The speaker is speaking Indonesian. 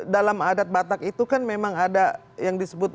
dalam adat batak itu kan memang ada yang disebut